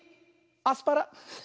アスパラ。